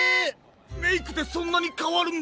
メイクでそんなにかわるんだ。